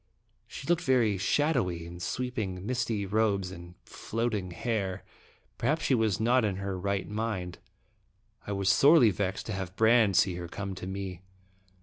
She looked very shadowy in sweeping, misty robes and floating hair. Perhaps she was not in her right mind. I was sorely vexed to have Brande see her come to me.